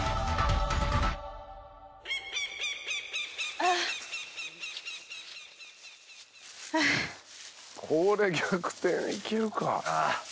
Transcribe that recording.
あっこれ逆転できるか？